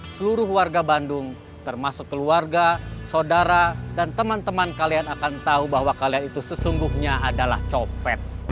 seluruh warga bandung termasuk keluarga saudara dan teman teman kalian akan tahu bahwa kalian itu sesungguhnya adalah copet